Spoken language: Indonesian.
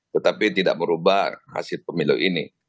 tetapi tidak merubah hasil pemilu ini